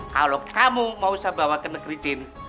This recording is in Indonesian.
kalau kamu mau saya bawa ke negeri jin